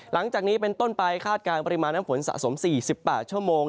หลังจากนี้เป็นต้นไปคาดการณปริมาณน้ำฝนสะสม๔๘ชั่วโมง